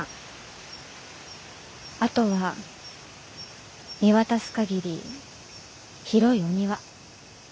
あとは見渡す限り広いお庭。